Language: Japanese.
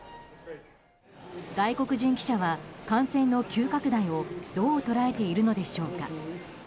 外国人記者は感染の急拡大をどう捉えているのでしょうか。